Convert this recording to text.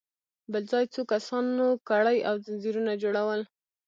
بل ځای څو کسانو کړۍ او ځنځيرونه جوړل.